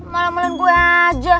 malah malah gue aja